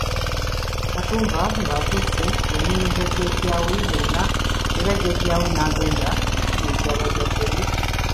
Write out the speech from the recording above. Katumba ng’atuuse yanyumiza jajja we byonna era jajja we n’agenda okubuulira bazadde ba Kiwutta.